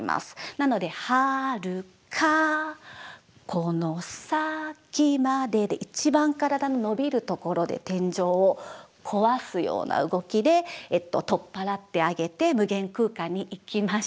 なので「遥かこの先まで」で一番体の伸びるところで天井を壊すような動きで取っ払ってあげて無限空間に行きました。